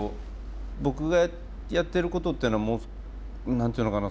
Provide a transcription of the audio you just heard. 僕がやってることっていうのは何て言うのかな